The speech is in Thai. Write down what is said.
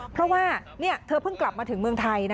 เพราะว่าเธอเพิ่งกลับมาถึงเมืองไทย